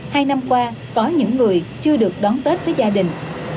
hai năm qua có những người chưa được đón tết với gia đình